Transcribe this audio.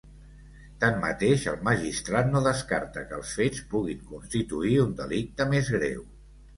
Tanmateix, el magistrat no descarta que els fets puguin constituir un delicte més greu.